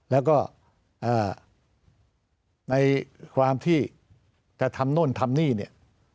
แล้วก็ในความที่จะทำโน่นทำนี่เนี่ย